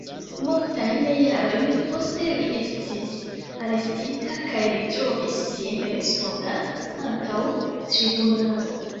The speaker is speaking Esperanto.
Multajn jarojn poste li estis arestita, kaj li trovis sin respondanta antaŭ tribunalo.